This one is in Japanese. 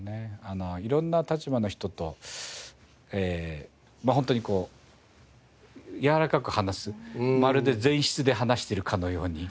色んな立場の人とまあ本当にこうやわらかく話すまるで前室で話しているかのように。